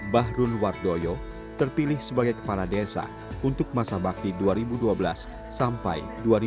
bahru nwardoyo terpilih sebagai kepala desa untuk masa bakti dua ribu dua belas sampai dua ribu delapan belas